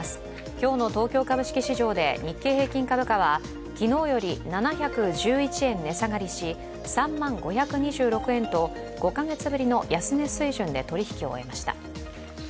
今日の東京株式市場で日経平均株価は昨日より７１１円値下がりし３万５２６円と５か月ぶりの安値水準で取引を終えました。